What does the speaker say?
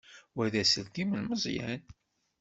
Wa d aselkim n Meẓyan.